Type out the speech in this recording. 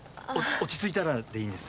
落ち着いたらでいいんです